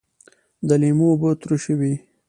د لیمو اوبه ترشی وي